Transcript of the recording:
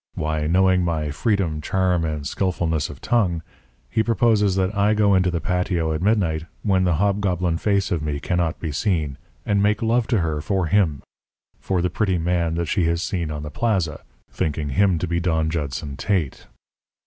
Why, knowing my freedom, charm, and skilfulness of tongue, he proposes that I go into the patio at midnight, when the hobgoblin face of me cannot be seen, and make love to her for him for the pretty man that she has seen on the plaza, thinking him to be Don Judson Tate.